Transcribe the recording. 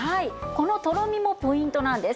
このとろみもポイントなんです。